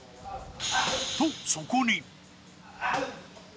と、そこに。